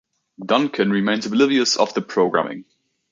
Duncan remains oblivious of the programming.